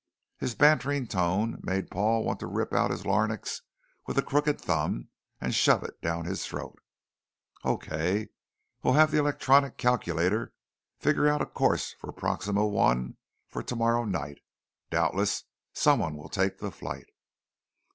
His bantering tone made Paul want to rip out his larynx with a crooked thumb and shove it down his throat. "Okay. We'll have the electronic calculator figure out a course for Proxima I for tomorrow night. Doubtless someone will take the flight."